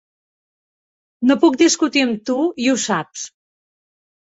No puc discutir amb tu, i ho saps.